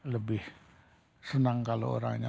lebih senang kalau orangnya